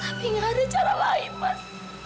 nanti gak ada cara lain mas